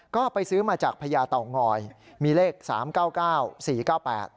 ก็ไปซื้อมาจากพญาเต่างอยมีเลขสามเก้าเก้าสี่เก้าแปด